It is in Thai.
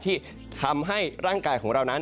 ที่ทำให้ร่างกายของเรานั้น